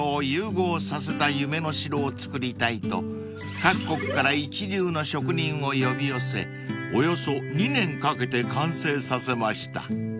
［各国から一流の職人を呼び寄せおよそ２年かけて完成させました］